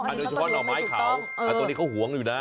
อันนี้เขามาเหลือไม่ถูกต้องอันนี้เขาหวงอยู่ด้าน